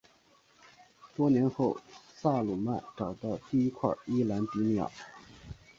多年后萨鲁曼找到了第一块伊兰迪米尔。